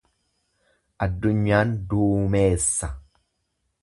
Addunyaan duumeessa.